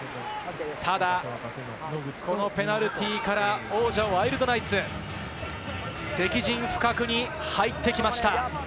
ただこのペナルティーから王者・ワイルドナイツ、敵陣深くに入ってきました。